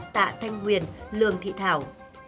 tạ thanh nguyền lường thị thảo